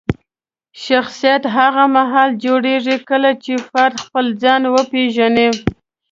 شخصیت هغه مهال جوړېږي کله چې فرد خپل ځان وپیژني.